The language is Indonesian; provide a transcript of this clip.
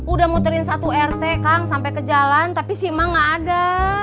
udah muterin satu rt kang sampai ke jalan tapi sima gak ada